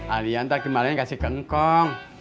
alia nanti kemarin kasih ke engkau